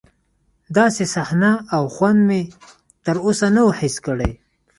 داسې صحنه او خوند مې تر اوسه نه و حس کړی.